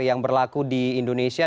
yang berlaku di indonesia